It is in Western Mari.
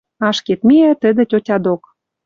Ашкед миӓ тӹдӹ тьотя док